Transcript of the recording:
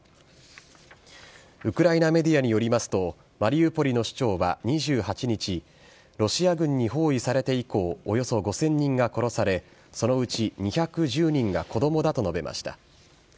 ウクライナメディアによりますと、マリウポリの市長は、２８日、ロシア軍に包囲されて以降、およそ５０００人が殺され、そのうち２１０人が子どもだと述べました。